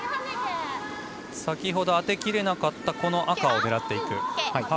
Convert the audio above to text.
先ほど当てきれなかった赤を狙っていく。